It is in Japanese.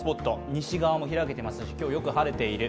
西側も開けてますし、今日、よく晴れている。